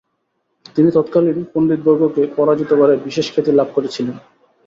তিনি তৎকালীন পন্ডিতবর্গকে পরাজিত করে বিশেষ খ্যাতি লাভ করেছিলেন।